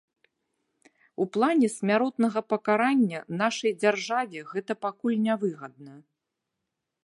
У плане смяротнага пакарання, нашай дзяржаве гэта пакуль нявыгадна.